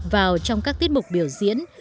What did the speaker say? vào trong các tiết mục biểu diễn